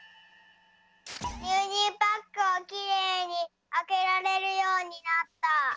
ぎゅうにゅうパックをきれいに開けられるようになった。